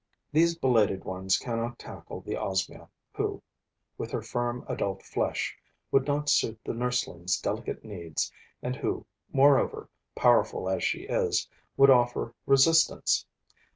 These belated ones cannot tackle the Osmia, who, with her firm, adult flesh, would not suit the nursling's delicate needs and who, moreover, powerful as she is, would offer resistance.